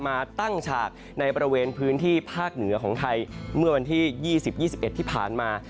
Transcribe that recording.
มาตั้งฉากในบริเวณพื้นที่ภาคเหนือของไทยเมื่อวันที่๒๐๒๑ที่ผ่านมา